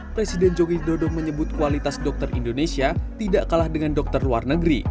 presiden jokowi dodo menyebut kualitas dokter indonesia tidak kalah dengan dokter luar negeri